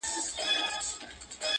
نو مو لاس وي له وحشيی نړۍ پرېولی-